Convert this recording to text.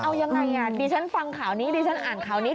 เอายังไงอ่ะดิฉันฟังข่าวนี้ดิฉันอ่านข่าวนี้